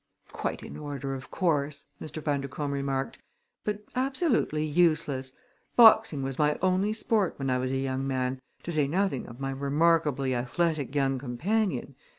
"Quite in order, of course," Mr. Bundercombe remarked, "but absolutely useless. Boxing was my only sport when I was a young man, to say nothing of my remarkably athletic young companion.